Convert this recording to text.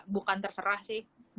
bukan terserah sih